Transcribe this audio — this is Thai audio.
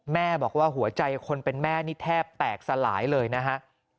แม่บอกว่าหัวใจคนเป็นแม่นี่แทบแตกสลายเลยนะฮะ